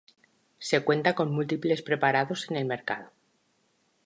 Se cuenta con múltiples preparados en el mercado.